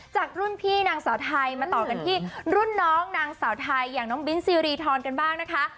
จากรุ่นพี่นางสาวไทยมาต่อกันที่รุ่นน้องนางสาวไทยอย่างน้องบิ้นซีรีทรกันบ้างนะคะ